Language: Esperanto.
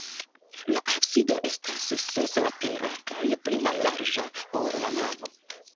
La absido estas seslatera kaj pli mallarĝa, ol la navo.